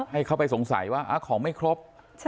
ให้เขาไปสงสัยว่าของไม่ครบ